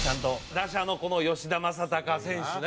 打者の吉田正尚選手ね。